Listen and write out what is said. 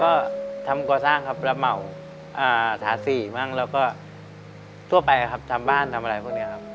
ก็ทำก่อสร้างครับรับเหมาถาสีมั่งแล้วก็ทั่วไปครับทำบ้านทำอะไรพวกนี้ครับ